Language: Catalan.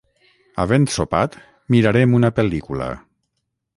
Havent sopat mirarem una pel·lícula